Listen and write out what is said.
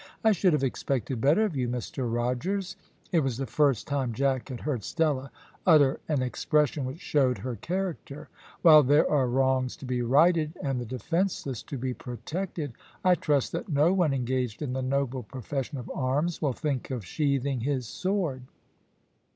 "I should have expected better of you, Mr Rogers." It was the first time Jack had heard Stella utter an expression which showed her character. "While there are wrongs to be righted, and the defenceless to be protected, I trust that no one engaged in the noble profession of arms will think of sheathing his sword."